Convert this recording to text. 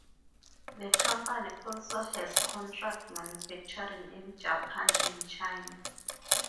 The company also has contract manufacturing in Japan and China.